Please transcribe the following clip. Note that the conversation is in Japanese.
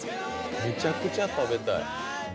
めちゃくちゃ食べたい。